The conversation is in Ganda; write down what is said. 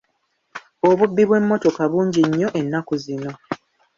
Obubbi bw'emmotoka bungi nnyo ennaku zino